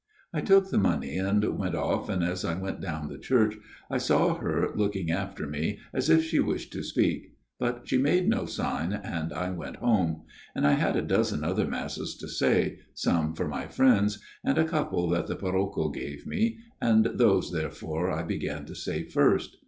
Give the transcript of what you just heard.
" I took the money and went off, and as I went down the church I saw her looking after me, as if she wished to speak, but she made no sign and I went home ; and I had a dozen other Masses to say, some for my friends, and a couple that the parrocho gave me, and those, therefore, I began to say first.